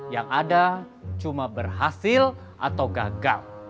yang ada cuma berhasil atau gagal